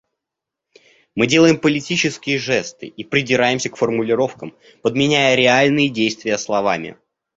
Мы делаем политические жесты и придираемся к формулировкам, подменяя реальные действия словами.